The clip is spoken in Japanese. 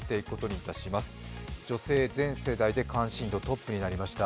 女性全世代で関心度トップになりました。